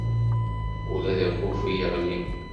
Ula d akufi yeɣli.